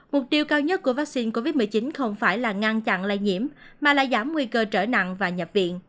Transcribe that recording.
mục tiêu cao nhất của vaccine covid một mươi chín không phải là ngăn chặn lây nhiễm mà là giảm nguy cơ trở nặng và nhập viện